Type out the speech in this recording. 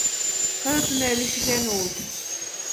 Кызыт ынде лишитлен улыт.